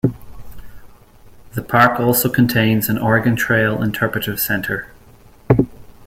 The park also contains an Oregon Trail interpretative center.